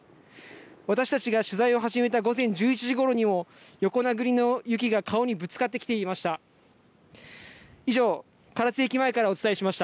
私たちが取材を始めた午前１１時ごろにも横殴りの雪が顔にぶつかってきていました。